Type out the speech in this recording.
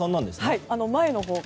前のほうが。